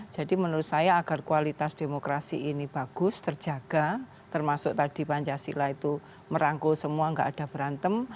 jadi menurut saya agar kualitas demokrasi ini bagus terjaga termasuk tadi pancasila itu merangkul semua nggak ada berantem